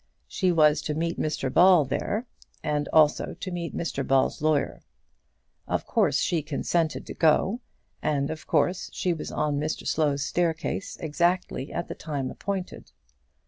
She was to meet Mr Ball there, and also to meet Mr Ball's lawyer. Of course she consented to go, and of course she was on Mr Slow's staircase exactly at the time appointed.